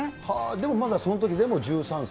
でもまだそのときでも１３歳？